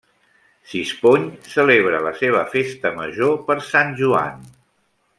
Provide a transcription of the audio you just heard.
Sispony celebra la seva Festa Major per Sant Joan.